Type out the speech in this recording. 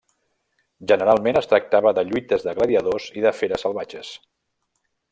Generalment es tractava de lluites de gladiadors i de feres salvatges.